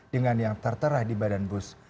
dengan yang tertera di badan bus